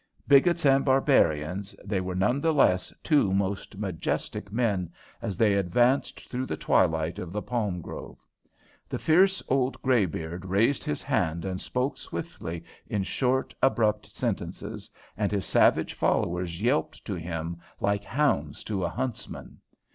Bigots and barbarians, they were none the less two most majestic men, as they advanced through the twilight of the palm grove. The fierce old greybeard raised his hand and spoke swiftly in short, abrupt sentences, and his savage followers yelped to him like hounds to a huntsman.